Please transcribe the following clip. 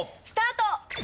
スタート！